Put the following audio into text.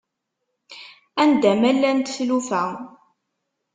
Anda ma llant tlufa.